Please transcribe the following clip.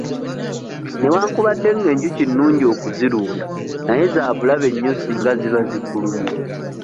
Newankubadde ng'enjuki nnungi okuzirunda naye za bulabe nnyo singa ziba zikulumye.